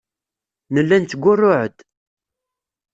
Nella nettgurruɛ-d.